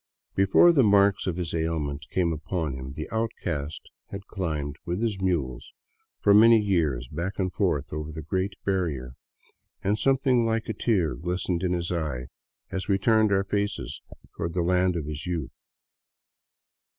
Before the marks of his ailment came upon him the outcast had climbed with his mules for many years back and forth over the great barrier, and something like a tear glistened in his eye as we turned our faces toward the land of his youth.